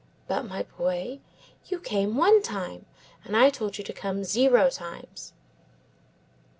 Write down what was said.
"But, my boy, you came one time, and I told you to come zero times."